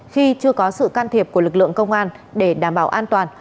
khi chưa có sự can thiệp của lực lượng công an để đảm bảo an toàn